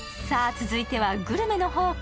続いてはグルメの宝庫